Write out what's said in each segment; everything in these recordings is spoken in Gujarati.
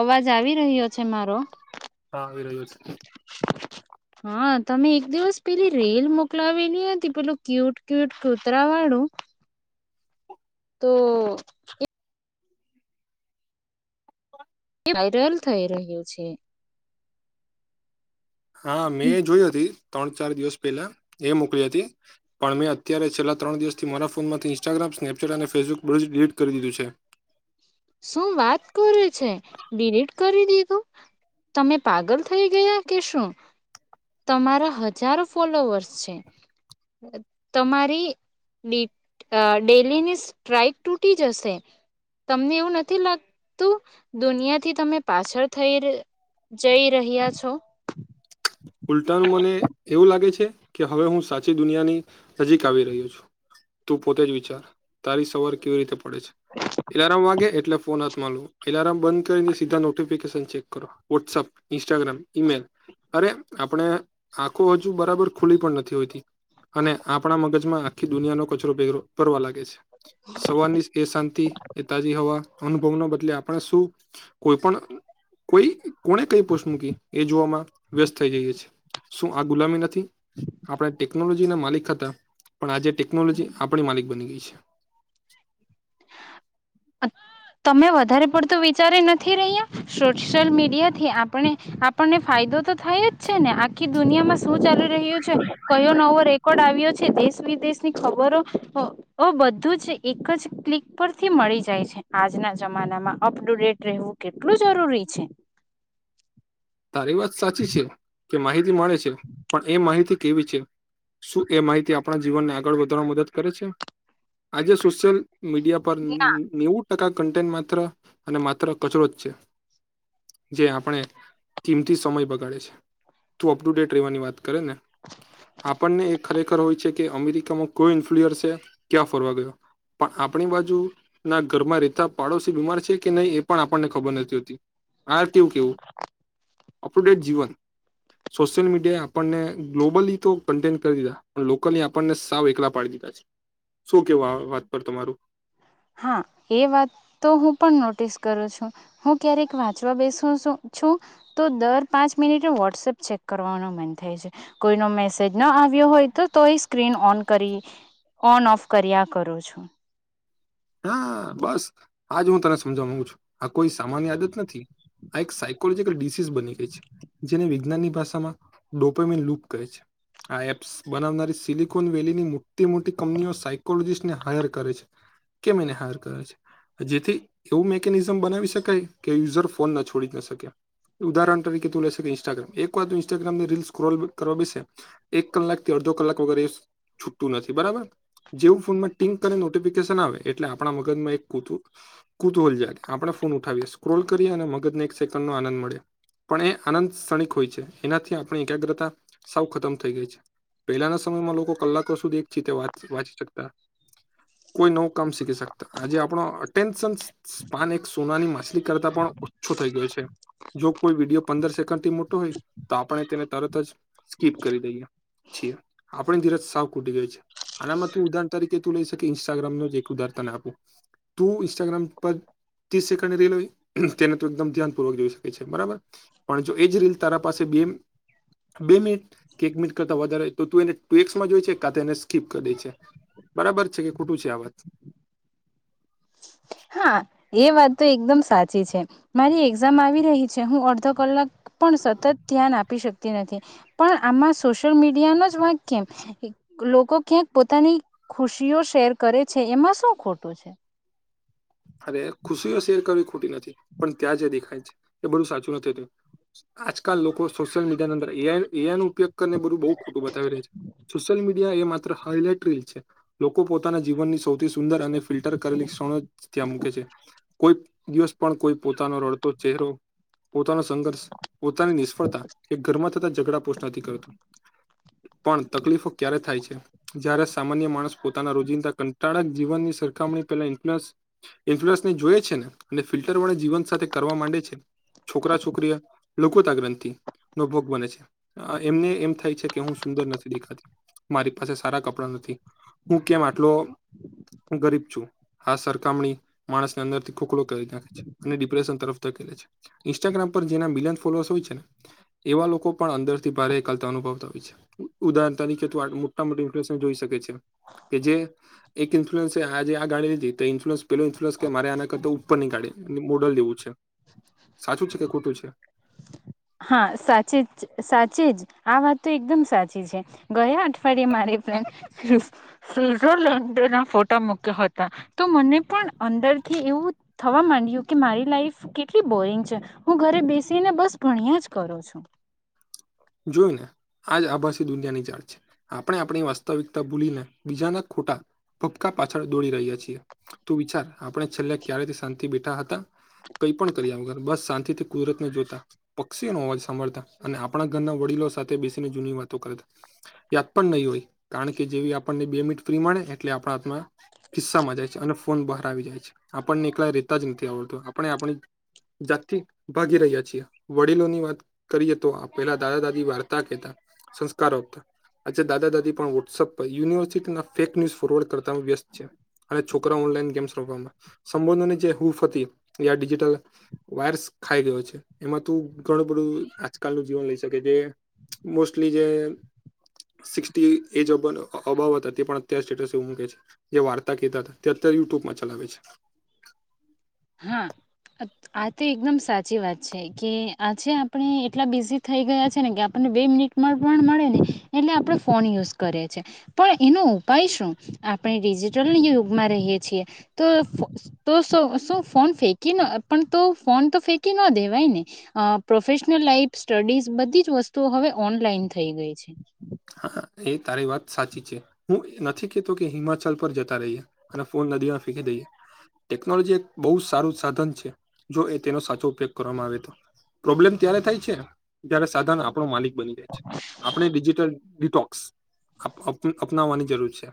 અવાજ આવી રહ્યો છે મારો હા આવી રહ્યો છે હા તમે એક દિવસ પેલી રેલ મોકલાવેલી હતી પેલું ક્યુટ ક્યુટ કૂતરા વાળું હા તો એક તે વાયરલ થઈ રહ્યું છે હા મેં જોય હતી ત્રણ ચાર દિવસ પહેલા એ મોકલી હતી પણ મેં અત્યારે છેલ્લા ત્રણ દિવસ થી મારા ફોન માંથી ઇન્સ્ટાગ્રામ સ્નેપચેટ અને ફેસબુક બજ ડિલીટ કરી દીધું છે ડીલીટ કરી દીધું તમે પાગલ થઈ ગયા કે શું તમારા હજારો ફોલોવર્સ છે તમારી ડેલીની સ્ટ્રાઈક તૂટી જશે તમને એવું નથી લાગતું દુનિયાથી તમે પાછળ થઈ જઈ રહ્યા છો ઉલ્ટાન મને એવું લાગે છે કે હવે હું સાચી દુનિયાની નજીક આવી રહ્યો છું તું પોતે જ વિચાર તારી સવાર કેવી રીતે પડે છે એારમ વાગે એટલે ફોન હાથમાંલવો એલાર્મ બંધ કરીને સીધા નોટિફિકેશન ચેક કરો વોટ્સઅપ ઇન્સ્ટાગ્રામ ઈમેલ અરે આપણે આખો હજુ બરાબર ખુલી પણ નથી હોતી અને આપણા મગજમાં આખી દુનિયાનો કચરો ભ ભરવા લાગે છે સવારની એ શાંતિ એ તાજી હવા અનુભવના બદલે આપણે શું કોઈ પણ કોઈ કોને કઈ પોષ મૂકી એ જોવામાં વ્યસ્ત થ જઈ છે શું આ ગુલામી નથી આપણે ટેકનોલોજી માલિક હતા પણ આજે ટેકનોલોજી આપણી માલિક બની ગઈ છે અ [unintelligible] તમે વધારે પડતું વિચારી નથી રહ્યા સોશિયલ મીડિયા થી આપણે આપણને ફાયદો થાય જ છે ને આખી દુનિયામાં શું ચાલી રહ્યું છે કયો નવો રેકોર્ડ આવ્યો છે દેશ દેશની ખબરો બધું જ એક જ ક્લિક પરથી મળી જાય છે આજના જમાનામાં અપ ટુ ડેટ રહેવું કેટલું જરૂરી છે તારી વાત સાચી છે કે માહિતી મળે છે પણ એ માહિતી કેવી છે શું એ માહિતી આપણા જીવનને આગળ વધારવામાં મદદ કરે છે આજે સોશિયલ મીડિયા પર ન્યૂ ટકા કન્ટે માત્ર અને માત્ર કચરો જ છે જે આપણે કિમથી સમય બગાડે છે તું અપ ટુ ડેટ રહેેવાની વાત કરે ને આપણને એ ખરેખર હોય છે કે અમેરિકામાં કોયો ઇન્ફ્લુઅન્સ છે ક્યાં ફરવા ગયો પણ આપણી બાજુ ના ઘરમાં રેતા પાડોશી બીમાર છે કે નહીં એ પણ આપણને ખબર નથી હોતી હા અપ ટુ ડેટ જીવન સોશિયલ મીડિયા એ આપણને ગ્લોબલી તો કન્ટેન્ટ કરી દીધા પણ લોકલી આપણને સાવ એકલા પાડી દીધા શું કેવા વાત પર તમારું હા એ વાત તો હું પણ નોટિસ કરું છું હું ક્યારેક વાંચવા બેસું છું છું તો દર પાંચ મિનિટ વોટસએપ ચેક કરવાનો મન થાય છે કોઈ ન મેસેજ ન આવ્યો હોય તો તો એ સ્ક્રીન ઓન કરી ઓન ઓફ કર્યા કરું છું હા બસ આજ હું તને સમજવા મામાંગુ છું આ કોઈ સામાન્ય આદત નથી આ એક સાયકોલોજીકલ ડિસીઝ બની ગઈ છે જેની ઞની ભાષામાં ડોપમે લૂપ કહે છે આ એપ્સ બનાવનારી સિલિકોન વેલીની મોટી મોટી કંપનીઓ સાયકોલોજીિસ્ટને હાયર કરે છે કેમ એને હરકોચ જેથી એવું મેકેનીઝમ બનાવી શકાય કે યુઝર ફોન ના છોડી ના શક્યા ઉદાહરણ તરીકે તું લે શકે ઇન્સ્ટાગ્રામ એક વાર ઇન્સ્ટાગ્રામની રીલ સ્ક્રોલ કરવા બેસે એક કલાક થી અડ ધો કલાક વગર છુટ્ટુ નથી બરાબર જે ફોનમાં ટીંક કરી નોટિફિકેશન આવે. એટલે આપડા મગજમાં એક કૂત કૂતુહલ જાય આપડા ફોન ઉઠાવીએ સ્ક્રોલ કરીએ અને મગજને એક સેકન્ડ નો આનંદ મળ્યો. પણ એ આનંદ શણિક હોય છે એનાથી આપણી એકાગ્રતા સાવ ખતમ થઈ જાય છે. પહેલાના સમયમાં લોકો કલાકો સુધી એક ચીતે વાંચી શકતા કોઈ ન કમ શીખી શકતા આજે આપણો અટેન્શન પાન એક સોનાની માછલી કરતા પણ ઓછો થઈ ગયો છે. જો કોઈ વિડીયો પંદર સેકન્ડ થી મોટો હોય તો આપણે તેને તરત જ સ્કીપ કરી દઈએ. છીએ આપણે ધીરજ સાવ કૂટી ગય છે આનામાં તું ઉદાહર તરીકે તું લઈ શકે ઇન્સ્ટાગ્રામ નો જે ઉધારતા ના આપું તું ઇન્સ્ટાગ્રામ પર ત્રીસ સેકન્ડ રીલ હોય તેને તો એકદમ ધ્યાનપૂર્વક જોઈ શકે છે બરાબર પણ જો એ જ રીલ તારા પાસે એમ બે મિનિટ કે એક મિનિટ કરતાં વધારે તો તું એને ટેક્સમાં જોઈ છે કા તો એને સ્કીપ કરી દેય છે. બરાબર છે કે ખોટું છે આ વાત. હા એ વાત તો એકદમ સાચી છે મારી એક્ઝામ આવી રહી છે હું અડધો કલાક પણ સતત ધ્યાન આપી શકતી નથી પણ આમાં સોશિયલ મીડિયા ન જ વાક કેમ? લોકો ક્યાંક પોતાની ખુશીઓ શેર કરે છે એમાં શું ખોટું છે. અરે ખુશીઓ શેર કરવી ખોટી નથી પણ ત્યાં જે દેખાય છે એ બધું સાચું નથી હતું. આજકાલ લોકો સોશિયલ મીડિયા ની અંદર એઆઈ એઆઈ નું પયોગ કરીને બધું બઉ ખોટું બતાવી રહી છે સોસીયલ મુ એ માત્ર [unintelligible] લોકો પોતાના જીવનની સૌથી સુંદર અને ફિલ્ટર કરેલી ક્ષણો ત્યાં મૂકે છે કોઈ દિવસ પણ કોઈ પોતાનો રડતો ચહેરો. પોતાનો સંઘર્ષ પોતાની નિષ્ફળતા એ ઘરમાં થતા ઝઘડા પોષ નથી કરતું. પણ તકલીફો ક્યારે થાય છે જ્યારે સામાન્ય માણસ પોતાના રોજિંદા કંટાળક જીવનની સરખામણી પેલા ઇન્ફનસ ઇન્ફનસને જોએ છે ને અને ફિલ્ટર વાળી જીવન સાથે કરવા માંડે છે. છોકરા છોકરીઓ લઘુતા ગ્રંથિ નો ભોગ બને છે એમને એમ થાય છે કે હું સુંદર નથી દેખાતી. મારી પાસે સારા કપડા નથી હું કેમ આટલો હું ગરીબ છું હ સર તમણી માણસને અંદરથી ખોકડો કરી નાખે છે અને ડિપ્રેશન તરફ તે ફેરે છે ઇન્સ્ટાગ્રામ પર જેના લિયન ફોલોવર્ષ હોય છે ને એવા લોકો પણ અંદરથી ભારે એકલતા અનુવતા હોય છે ઉદાહરણ તરીકે મોટા મોટા ઇન્ફલુઅન્સ જોઈ શકે છે કે જે એક ઇન્ફ્લુન્સે આજે આ ગાડી લીધી તો ઇન્ફ્લુઅન પેલું ઇન્ફલુન્સ કે મારે આના કરતા ઉપર ની ગાડી ને મોડલ લેવું છે સાચું છે કે ખોટું છે? હા સાચી જ સાચી જ આ વાત તો એકદમ સાચી છે ગયા અઠવાડિયે મારે સ્વઝરલેન્ડ ના ફોટા મૂક્યા હતા તો મને પણ અંદર થી એવું થવા માંડ્યું કે મારી લાઈફ કેટલી બોરિંગ છે હું ઘરે બેસીને બસ ભાણીયા જ કરો છું. જોયને આજ આભાસી દુનિયાની જાળ છે આપણે આપણી વાસ્તવિકતા ભૂલીને બીજાના ખોટા કપકા પાછળ દોડી રહ્યા છીએ તું વિચાર આપણે છેલ્લે ક્યારેથી શાંતિ બેઠા હતા. કઈ પણ કરીયા વગર બસ શાંતિ થી કુદરતને જોતા પક્ષીઓ નો અવાજ સાંભળતા અને આપ પણા ઘરના વડીલો સાથે બેસીને જૂની વાતો કરે યાદ પણ નહી હોય કારણ કે જેવી આપણને બે મિ મળે એટલે આપણા હાથમાં કિસ્સામાં જાય અને ફોન બહાર આવી જાય છે આપણને એકલા રેતા જ નથી. આપણે આપણી જાતથી ભાગી રહ્યા છીએ વડીલોની વાત કરીએ તો પેલા દાદા દાદી વાર્તા કહેતા સંસ્કાર આપતાં. અચ્છા દાદા દાદી પણ વહોટ્સઅપ પર યુનિવર્સિટીના ફેક ન્યુઝ ફોરવર્ડ કરતા વ્યસ્ છે. અને છોકરા ઓનલાઈન ગેમ્સ રમવામાં સંબોંધોની જે હૂફ હતી એ આ ડિજિટલ વાર્સ ખાઈ ગયો છે એમાં તું ઘણું બધું આજકાલ જીવ લઈ શકે જે મોસ્ટલી જે શિક્ષટી એજ અબાવત હતી પણ અત્યારે સ્ટેટસ એવું મૂકે છે જે વાર્તા કહેતા હતા ત્યાં યુટ્યુબમાં ચલાવે છે હા આ તો એકદમ સાચી વાત છે કે આજે આપણે એટલા બિઝી થઈ ગયા છે ને કે આપને બે મિનિટ માં ફોન મળે ને એટલે આપણે ફોન યુઝ કરે છે પણ એનો ઉપાય શું આપણે ડિજિટલ યુગમાં રહીએ છીએ તો સુ ફોન ફેંકી ન પણ તો ફોન તો ફેંકી ન દેવાય ને અ પ્રોફેશનલ લાઈફ સ્ટડીઝ બધી જ વસ્તુઓ હવે ઓનલાઈન થઈ ગઈ છે હા એ તારી વાત સાચી છે હું એ નથી કેતો કે હિમાચલ પર જતા રહીએ અને નદી માં ફેંકી દઈએ ટેકનોલોજી એક બહુ સારું સાધન છે જો એ તેનો સાચો ઉપયોગ કરવામાં આવે તો પ્રોબ્લેમ ત્યારે થાય છે જ્યારે સાધન આપણો માલિક બની જાય છે આપણે બિજી ડિટોક્સ અપ અપ અપનાવવાની જરૂર છે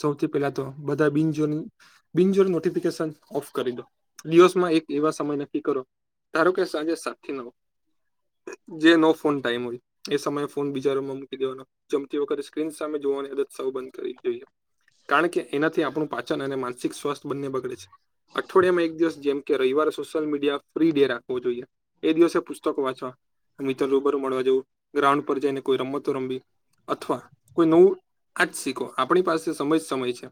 સૌથી પહેલા તો બધા બિનજોન બિનજોટફિક લોકેશન ઓફ કરી દવ દિવસ માં એક એવા સમય નક્કી કરો ધારો કે સાંજે સાત થી નવ જે નો ફોન ટાઈમ હોય એ સમયે ફોન બિજા રુમા માં મુકી દેવાનો જમતી વખતે સ્ક્રીન સામે જોવાની સૌ બંધ કર જોઈએ કારણ કે એનાથી આપણું પાછું અને માનસિક સ્વાસ્થ બંને બગડે છે અઠવાડિયામાં એક દિવસ જેમ કે રવિવારે સોશિયલ મીડિયા ફ્રી ડે રાખવો જોઈએ એ દિવસે પુસ્તકો વાંચવા મિત્ર લોકો ને મળવા જ‌ઉ ગ્રાઉન્ડ પર જઈને કોઈ રમતો રમી અથવા કોઈ નવું આજ શીખો આપણી પાસે સમય જ સમય છે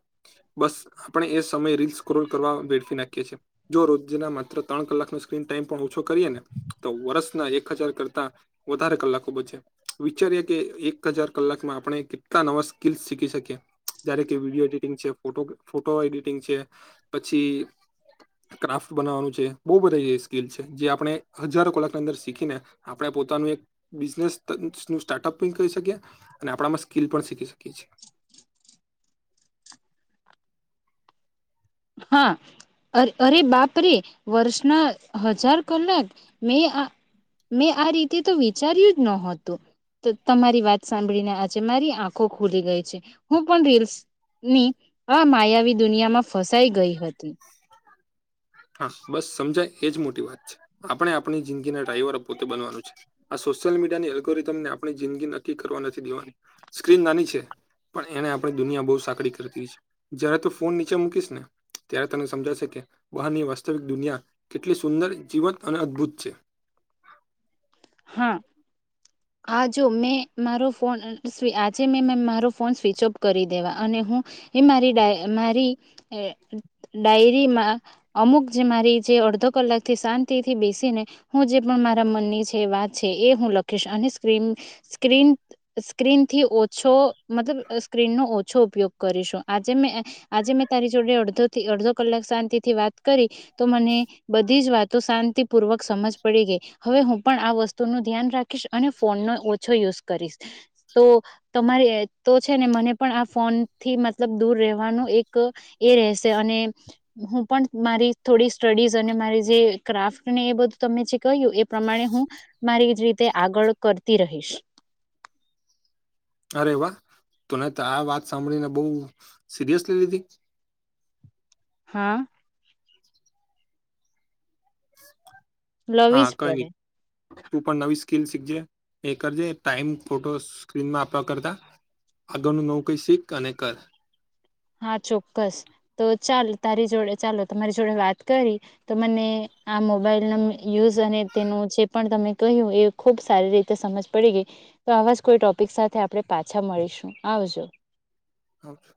બસ આપણે એ સમય રીલ સ્કોલ કરવા બેઠ નકી છે જો રોજના માત્ર ત્રણ કલાકનો સ્ક્રીન ટાઈમ પણ ઓછો કરીએ ને તો વર્ષના એક હજાર કરતા વધારે કલાકો બચે વિચાર એક કે એક હજાર કલાકમાં આપણે કેટલા નવા સ્કીલસ શીખી શકીએ જ્યારે કે વિડીયો એડિટિંગ છે ફોટો ફોટો એડિટિંગ છે પછી ક્રાફ્ટ બનાવવાનું છે બહુ બધા સ્કીલ છે જે આપણે હજારો કલાકની અંદર શીખીને આપડે પોતાનું એક બિઝનેસ સ્ટાર્ટઅપ પણ કરી શકીએ અને આપણામાં સ્કીલ પણ શીખી શકીએ છીએ [inaudible] [inaudible] હા અરે અરે બાપરે વર્ષના હજાર કલાક મેં મેં આ રીતે તો વિચાર્યું જ ન હતું તો તમારી વાત સાંભળીને આજે મારી આંખો ખુલી ગઈ છે હું પણ રીલ્સ ની અમાયાવી દુનિયામાં ફસાઈ ગઈ હતી હા બસ સમજાય એજ મોટી વાત છે આપણે આપણી જિંદગીના ડ્રાઈવરો પોતે બનવાનું છે સોશિયલ મીડિયાની અગરી તમને આપણી જિંદગી નક્કી કરવા નથી દેવાની સ્ક્રીન નાની છે પણ એને આપણે દુનિયા બહુ સાંકળ કરતી દી છે જયારે તું ફોન નીચે મૂકીશ ને ત્યારે તને સમજા શકે બહારની વાસ્તવિક દુનિયા કેટલી સુંદર જીવંત અને અદ્ભુત છે હા હા જો મે મારો ફોન આજે મે મારો ફોન સ્વિચ ઓફ કરી દેવા અને હું એ મારી ડાય મારી અ ડાયરીમાં અમુક જે મારી જે અડધો કલાક થી શાંતિ થી બેસી ને હું જે પણ મારા મનની છે વાત છે એ હું લખીશ અને સ્ક્રીન સ્ક્રીન સ્ક્રીન થી ઓછો મતલબ સ્ક્રીન નો ઓછો ઉપયોગ કરીશું આજે મે આજે મેં તારી જોડે અડધો થી અડધો કલાક શાંતિ થી વાત કરી તો મને બધી જ વાતો શાંતિપૂર્વક સમજ પડી ગઈ હવે હું પણ આ વસ્તુ તું એનું ધ્યાન રાખી અને ફોન ન ઓછો યુઝ કરીશ તો તમારી તો છે ને મને પણ આ ફોન થી મતલબ દૂર રહેવાનું એક એ રહેશે અને હું પણ મારી થોડી સ્ટડીઝ અને મારી જે ક્રાફ્ટ ને એ બધું તમે જે કહ્યું એ પ્રમાણે હું મારી જ રીતે આગળ કરતી રહીશ અરે વા તને આ વાત સાંભળીને બવ સિરિયસલી લીધી. [inaudible] હા [inaudible] લવી હા જ કઈ પડે નઈ તું પણ નવી સ્કીલ શીખજે, એ કરજે ટાઈમ ફોટો સ્ક્રીનમાં આપવા કરતા આગળનું નવું કઈ શીખ અને કર હા, ચોક્કસ તો ચાલ તારી જોડે ચાલો તમારી જોડે વાત કરી તો મને આ મોબાઈલ ન યુઝ અને તેનું જે પણ તમે કહ્યું, એ ખુબ સારી રીતે સમજ પડી ગઈ. તો આવા જ કોઈ ટોપિક સાથે આપડણે પાછા મળીશું આવજો. હ છે,